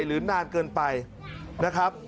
หรือนานเกินไปนะครับ